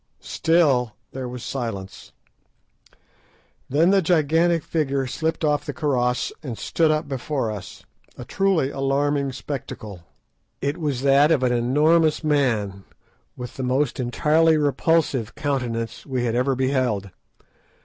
Still there was silence. Then the gigantic figure slipped off the karross and stood up before us, a truly alarming spectacle. It was that of an enormous man with the most entirely repulsive countenance we had ever beheld.